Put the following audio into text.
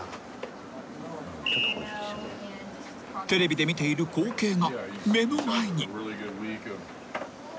［テレビで見ている光景が目の前に］